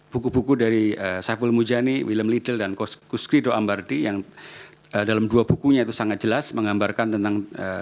buku buku dari saiful mujani william liddle dan kusrido ambardi yang dalam dua bukunya itu sangat jelas menggambarkan tentang